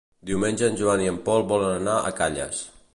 Diumenge en Joan i en Pol volen anar a Calles.